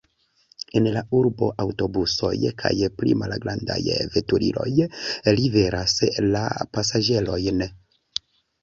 En la urbo aŭtobusoj kaj pli malgrandaj veturiloj liveras la pasaĝerojn.